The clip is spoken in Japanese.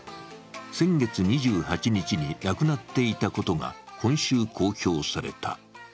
先月２８日に亡くなっていたことが今週、公表された。